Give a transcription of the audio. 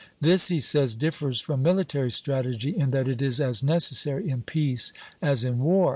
"This," he says, "differs from military strategy in that it is as necessary in peace as in war.